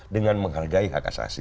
dengan menghargai hak asasi